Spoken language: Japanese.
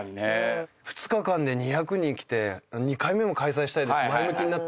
２日間で２００人来て２回目も開催したいですって前向きになって。